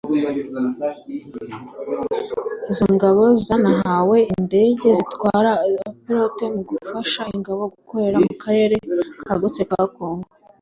Izo ngabo zanahawe indege zitagira abapilote mu gufasha ingabo gukorera mu karere kagutse ka Congo